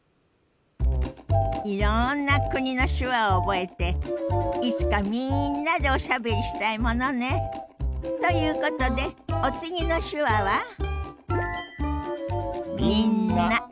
いろんな国の手話を覚えていつかみんなでおしゃべりしたいものね。ということでお次の手話は？